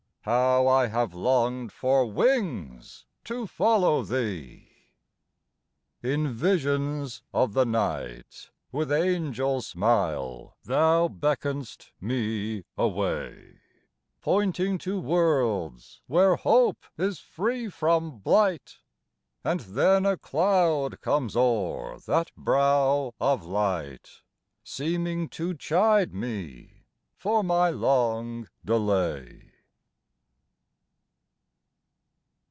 How I have longed for wings to follow thee! In visions of the night With angel smile thou beckon'st me away, Pointing to worlds where hope is free from blight; And then a cloud comes o'er that brow of light, Seeming to chide me for my long delay.